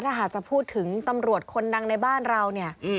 ถ้าหากจะพูดถึงตำรวจคนดังในบ้านเราเนี่ย